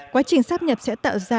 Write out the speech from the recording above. quá trình sắp nhập sẽ tạo ra